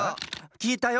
きえたよ。